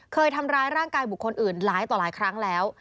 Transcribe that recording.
เคยทำร้ายร่างกายบุคคลอื่นหลายต่อหลายครั้งแล้ว